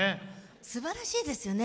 すばらしいですよね。